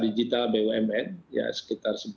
digital bumn ya sekitar